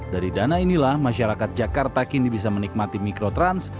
dari dana inilah masyarakat jakarta kini bisa menikmati mikrotrans